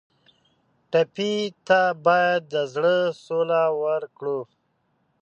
ټپي ته باید د زړه سوله ورکړو.